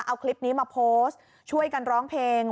เอาคลิปนี้มาโพสต์ช่วยกันร้องเพลง